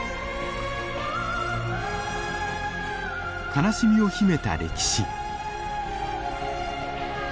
悲しみを秘めた歴史。